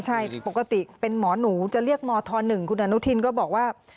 ใช่ปกติเป็นมอนูจะเรียกหมอถนึงคุณอานูทินก็บอกว่า